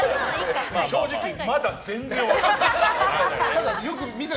正直、まだ全然分からない。